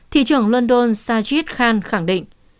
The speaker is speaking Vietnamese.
thị trưởng london sajid khan khẳng định